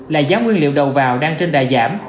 là giá nguyên liệu đầu vào đang trên đà giảm